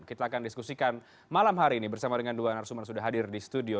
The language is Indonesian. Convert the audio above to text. kita akan diskusikan malam hari ini bersama dengan dua narasumber yang sudah hadir di studio